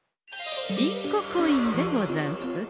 インココインでござんす。